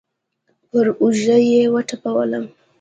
پر اوږه يې وټپولم.